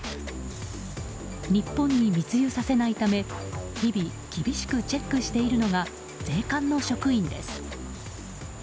日本に密輸させないため日々厳しくチェックしているのが税関の職員です。